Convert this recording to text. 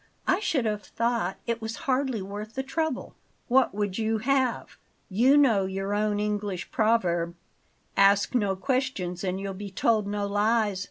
"I should have thought it was hardly worth the trouble." "What would you have? You know your own English proverb: 'Ask no questions and you'll be told no lies.'